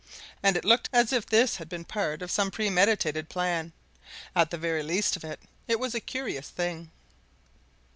And it looked as if this had been part of some premeditated plan: at the very least of it, it was a curious thing.